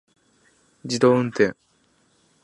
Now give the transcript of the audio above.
自動運転